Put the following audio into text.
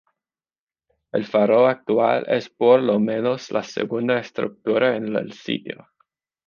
El faro actual es por lo menos la segunda estructura en el sitio.